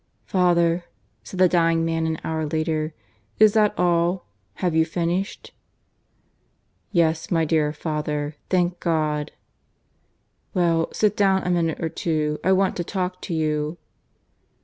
"Father," said the dying man an hour later, "is that all? Have you finished?" "Yes, my dear father thank God!" ... "Well; sit down a minute or two. I want to talk to you."